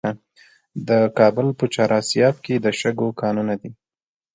د کابل په چهار اسیاب کې د شګو کانونه دي.